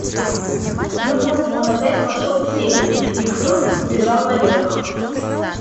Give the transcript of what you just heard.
Но вот он опять вошел в сени, и кто-то взбежал наверх.